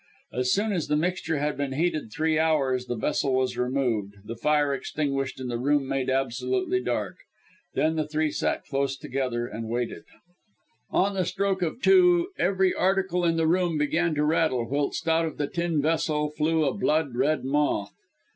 As soon as the mixture had been heated three hours, the vessel was removed, the fire extinguished, and the room made absolutely dark. Then the three sat close together and waited. On the stroke of two every article in the room began to rattle, whilst out of the tin vessel flew a blood red moth.